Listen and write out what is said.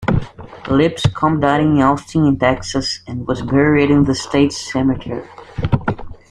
Lipscomb died in Austin, Texas and was buried in the State Cemetery.